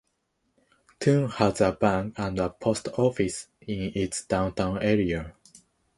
Toone has a bank and a post office in its downtown area.